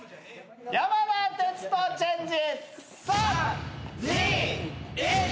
山田哲人チェンジ。